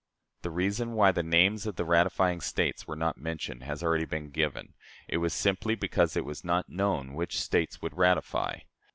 The reason why the names of the ratifying States were not mentioned has already been given: it was simply because it was not known which States would ratify.